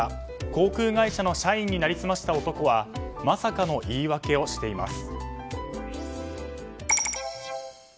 航空会社の社員に成り済ました男はまさかの言い訳をしています。